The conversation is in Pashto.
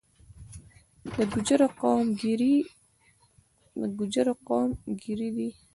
د ګوجرو قوم ګیري دي، ګالیش وال هم